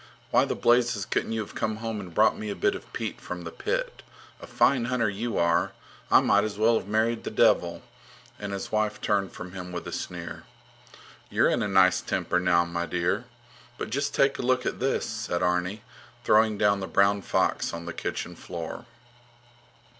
Why the blazes couldn't you have come home and brought me a bit of peat from the pit? A fine hunter you are! I might as well have married the devil. And his wife turned from him with a sneer. You're in a nice temper now, my dear. But just take a look at this, said Arni, throwing down the brown fox on the kitchen floor.